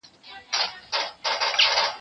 ورته ګوري به وارونه د لرګیو